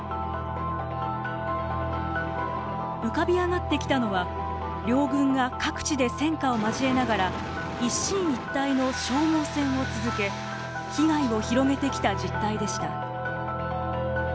浮かび上がってきたのは両軍が各地で戦火を交えながら一進一退の消耗戦を続け被害を広げてきた実態でした。